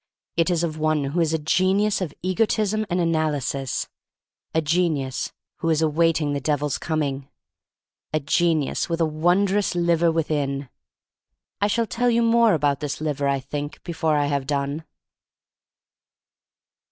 It is of one who is a genius of egotism and analysis, a genius who is awaiting the Devil's coming, — a genius, with a wondrous liver within. I shall tell you more about this liver, I think, before I have done.